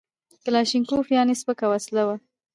کلاشینکوف یعنې سپکه وسله وه